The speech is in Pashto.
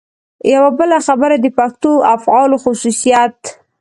یوه بله خبره د پښتو افعالو خصوصیت.